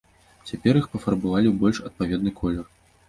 Цяпер іх пафарбавалі ў больш адпаведны колер.